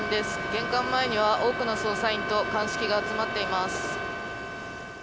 玄関前には多くの捜査員と鑑識が集まっています。